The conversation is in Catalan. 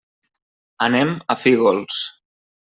Anem a Fígols.